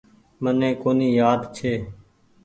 مني ڪونيٚ يآد ڇي۔